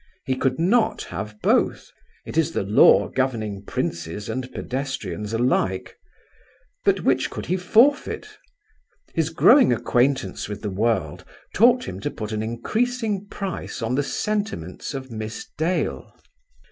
He could not have both; it is the law governing princes and pedestrians alike. But which could he forfeit? His growing acquaintance with the world taught him to put an increasing price on the sentiments of Miss Dale.